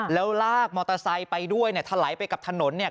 แล้วลากมอเตอร์ไซค์ไปด้วยเนี่ยถลายไปกับถนนเนี่ย